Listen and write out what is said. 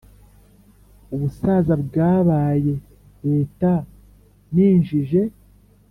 ubusaza bwabaye leta ninjije.